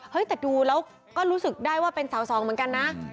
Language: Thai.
แต่ดูแล้วก็รู้สึกได้ว่าเป็นสาวสองเหมือนกันนะ